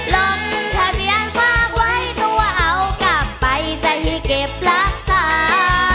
ลดทศิลป์ผ้าไหว้ตัวเอากลับไปจะให้เก็บรักษา